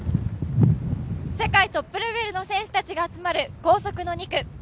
世界トップレベルの選手たちが集まる高速の２区。